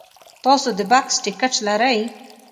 تاسو د بس ټکټ لرئ؟